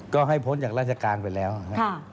ก็ให้พ้นจากราชการไปแล้วนะครับ